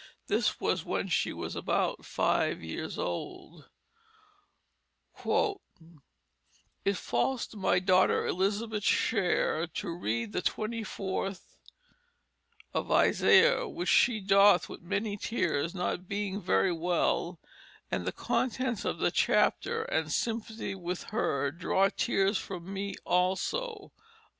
This was when she was about five years old: "It falls to my daughter Elizabeth's Share to read the 24 of Isaiah which she doth with many Tears not being very well and the Contents of the Chapter and Sympathy with her draw Tears from me also."